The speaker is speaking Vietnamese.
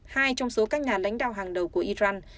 hai trong số các nhà lãnh đạo hàng đầu của iran